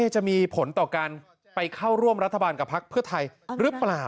จะมีผลต่อการไปเข้าร่วมรัฐบาลกับพักเพื่อไทยหรือเปล่า